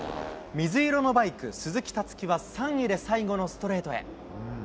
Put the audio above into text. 水色のバイク、鈴木たつきは３位で最後のストレートへ。